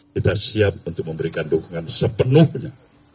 kita siap untuk memberikan dukungan sepenuhnya